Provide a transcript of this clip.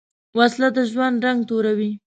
وسله د ژوند رنګ توروې